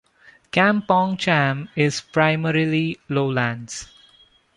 Kampong Cham is primarily lowlands.